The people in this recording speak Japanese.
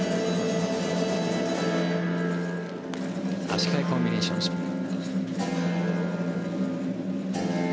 足換えコンビネーションスピン。